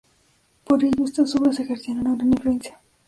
Por ello estas obras ejercían una gran influencia.